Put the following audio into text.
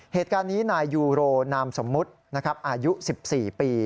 เหตุการณ์นี้นายยูโรนามสมมุตินะครับอายุ๑๔ปี